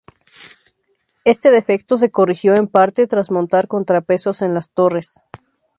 Este defecto, se corrigió en parte tras montar contrapesos en las torres.